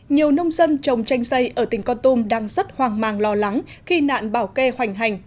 nhiều nông dân trồng tranh dây ở tỉnh con tum đang rất hoàng mang lo lắng khi nạn bảo kê hoành hành